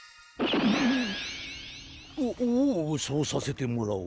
おっおうそうさせてもらおう。